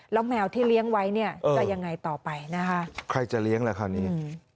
แล้วแมวที่เลี้ยงไว้เนี่ยจะยังไงต่อไปนะคะใครจะเลี้ยงล่ะคราวนี้